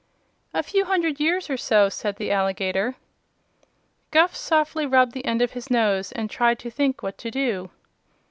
"A few hundred years or so," said the alligator. Guph softly rubbed the end of his nose and tried to think what to do.